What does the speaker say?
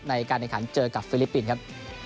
ในการแข่งขันเจอกับฟิลิปปินส์ครับ